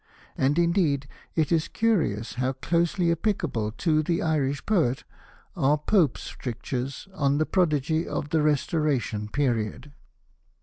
And indeed it is curious how closely applicable to the Irish poet are Pope's strictures on the prodigy of the Restoration period.